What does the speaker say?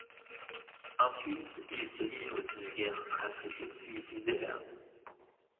Ensuite, ils se livrent une guerre fratricide suicidaire.